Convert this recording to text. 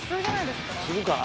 するかな？